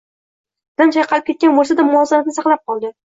Dadam chayqalib ketgan boʻlsa-da, muvozanatni saqlab qoldi.